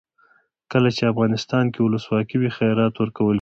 کله چې افغانستان کې ولسواکي وي خیرات ورکول کیږي.